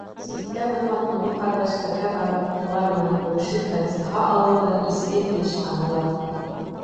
Ситтә булған оло ҡәрҙәштәргә барып, улар менән күрешеп, фатиха алыу ҙа изге эш һанала.